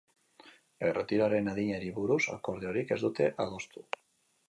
Erretiroaren adinari buruz akordiorik ez dute adostu.